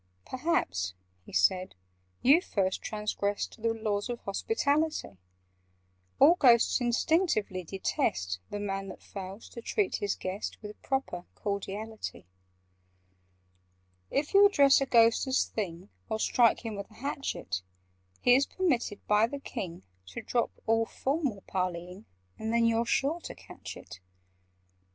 "Perhaps," he said, "you first transgressed The laws of hospitality: All Ghosts instinctively detest The Man that fails to treat his guest With proper cordiality. [Picture: And then you're sure to catch it ...] "If you address a Ghost as 'Thing!' Or strike him with a hatchet, He is permitted by the King To drop all formal parleying— And then you're sure to catch it!